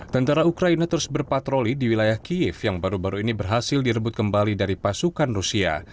tentara ukraina terus berpatroli di wilayah kiev yang baru baru ini berhasil direbut kembali dari pasukan rusia